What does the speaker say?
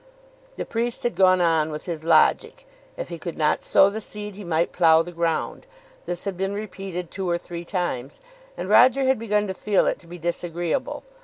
The priest had gone on with his logic; if he could not sow the seed he might plough the ground. This had been repeated two or three times, and Roger had begun to feel it to be disagreeable.